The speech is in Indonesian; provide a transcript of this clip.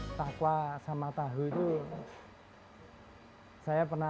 setelah dikumpulkan tahu dan takwa dikumpulkan menjadi jenis yang berbeda